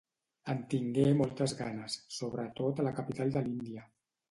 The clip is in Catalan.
En tingué moltes ganes, sobretot a la capital de l'Índia.